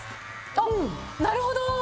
あっなるほど！